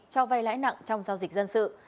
cho vay lãi nặng trong giao dịch dân sự